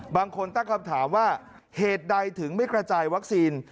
บางคนตั้งคำถามว่าเหตุใดถึงไม่กระจายวัคซีน